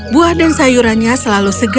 buah dan sayurannya selalu segar